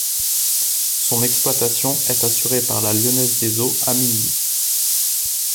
Son exploitation est assurée par la Lyonnaise des Eaux Amilly.